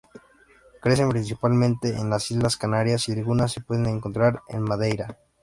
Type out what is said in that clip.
Crecen principalmente en las Islas Canarias y algunas se pueden encontrar en Madeira.